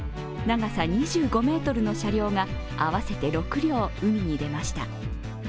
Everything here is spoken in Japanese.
長さ２５ｍの車両が合わせて６両、海に出ました。